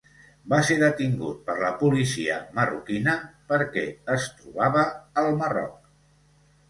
Va ser detingut per la policia marroquina perquè es trobava al Marroc.